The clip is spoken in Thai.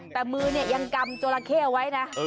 แต่มือยังกำจอราเฆเอาไว้นะ